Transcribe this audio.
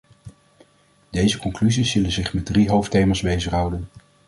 Deze conclusies zullen zich met drie hoofdthema's bezighouden.